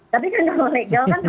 tapi kalau legal kan kamu bayar